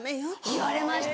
言われました！